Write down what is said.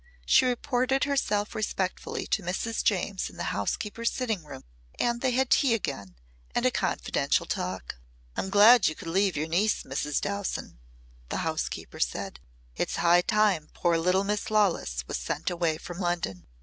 She reported herself respectfully to Mrs. James in the housekeeper's sitting room and they had tea again and a confidential talk. "I'm glad you could leave your niece, Mrs. Dowson," the housekeeper said. "It's high time poor little Miss Lawless was sent away from London.